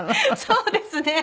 そうですね。